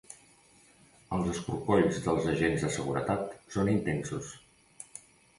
Els escorcolls dels agents de seguretat són intensos.